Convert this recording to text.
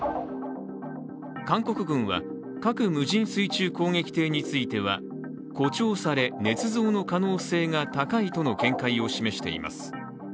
韓国軍は、核無人水中攻撃艇については誇張され、ねつ造の可能性が高いとの見解を示しています。